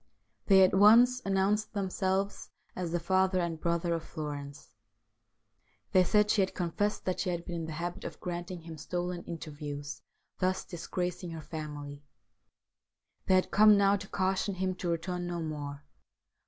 They at once announced themselves as the father and brother of Florence. They said she had confessed that she had been in the habit of granting him stolen interviews, thus disgracing her family. They had come now to caution him to return no more.